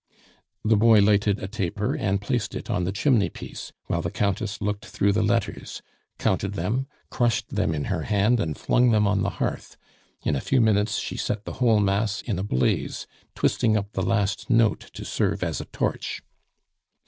The boy lighted a taper and placed it on the chimney piece, while the Countess looked through the letters, counted them, crushed them in her hand, and flung them on the hearth. In a few minutes she set the whole mass in a blaze, twisting up the last note to serve as a torch.